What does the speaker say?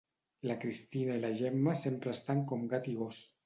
La Cristina i la Gemma sempre estan com gat i gos